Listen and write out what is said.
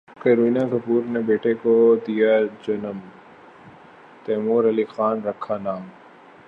کرینہ کپور نے بیٹے کو دیا جنم، تیمور علی خان رکھا نام